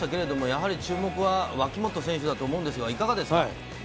やはり注目は脇本選手だと思うんですけどいかがですか？